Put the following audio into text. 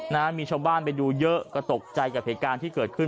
นะมีชาวบ้านไปดูเยอะก็ตกใจกับเหตุการณ์ที่เกิดขึ้น